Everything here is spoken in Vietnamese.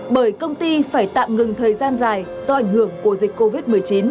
bởi công ty phải tạm ngừng thời gian dài do ảnh hưởng của dịch covid một mươi chín